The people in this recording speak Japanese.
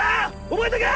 覚えとけ！